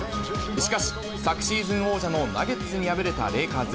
しかし、昨シーズン王者のナゲッツに敗れたレイカーズ。